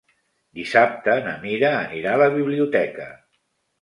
Dissabte na Mira anirà a la biblioteca.